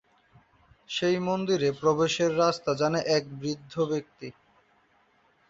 সেই মন্দিরে প্রবেশের রাস্তা জানে এক বৃদ্ধ ব্যক্তি।